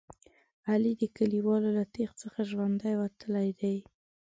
علي د کلیوالو له تېغ څخه ژوندی وتلی دی.